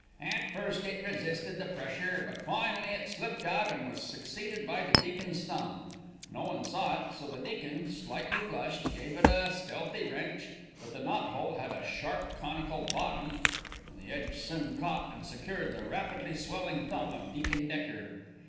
At first it resisted the pressure, but finally it slipped out and was succeeded by the deacon's thumb. No one saw it, so the deacon, slightly flushed, gave it a stealthy wrench, but the knot hole had a sharp conical bottom, and the edge soon caught and secured the rapidly swelling thumb of Deacon Decker.